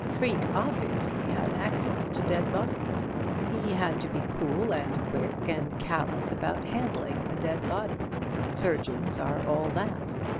Freke obviously had access to dead bodies. He had to be cool and quick and callous about handling a dead body. Surgeons are all that.